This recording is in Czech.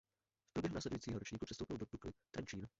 V průběhu následujícího ročníku přestoupil do Dukly Trenčín.